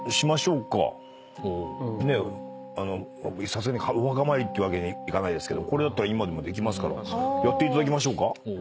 さすがにお墓参りってわけにいかないですけどこれだったら今でもできますからやっていただきましょうか。